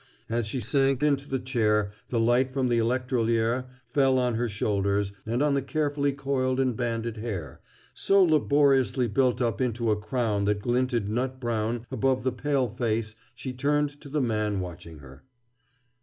As she sank into the chair the light from the electrolier fell on her shoulders and on the carefully coiled and banded hair, so laboriously built up into a crown that glinted nut brown above the pale face she turned to the man watching her.